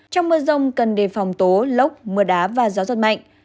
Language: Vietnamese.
trong mưa rông cần đề phòng tố lốc mưa đá và gió giật mạnh